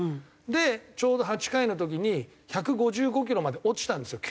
でちょうど８回の時に１５５キロまで落ちたんですよ